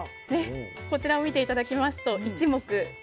こちらを見ていただきますと一目瞭然ですよね。